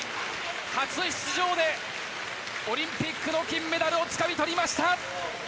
初出場でオリンピックの金メダルをつかみ取りました。